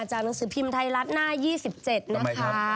หนังสือพิมพ์ไทยรัฐหน้า๒๗นะคะ